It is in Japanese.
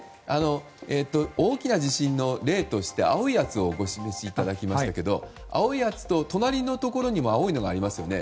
大きな地震の例として青いやつをお示しいただきましたが青いやつと隣のところにも青いところがありますよね。